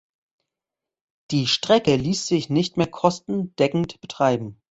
Die Strecke ließ sich nicht mehr kostendeckend betreiben.